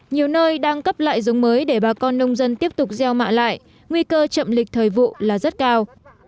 nhiều nơi đang cấp lại giống mới để bà con nông dân tiếp tục gieo mạ lại nguy cơ chậm lịch thời vụ là rất cao